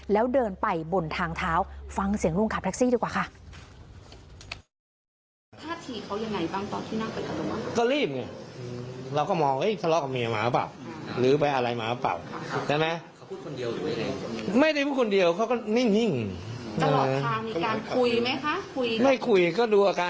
แล้วเดินไปบนทางเท้าฟังเสียงลุงขับแท็กซี่ดีกว่าค่ะ